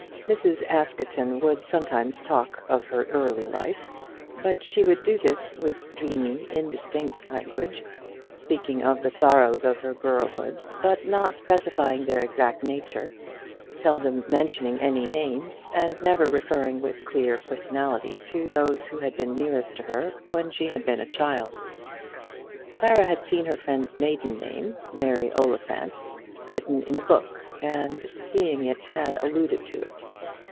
Mrs. Askerton would sometimes talk of her early life; but she would do this with dreamy, indistinct language, speaking of the sorrows of her girlhood, but not specifying their exact nature, seldom mentioning any names, and never referring with clear personality to those who had been nearest to her when she had been a child. Clara had seen her friend's maiden name, Mary Oliphant, written in a book, and seeing it had alluded to it.